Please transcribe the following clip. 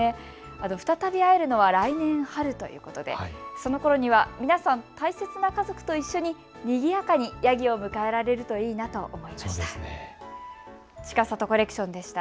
再び会えるのは来年春ということでそのころには皆さん、大切な家族と一緒ににぎやかにヤギを迎えられるといいなと思いました。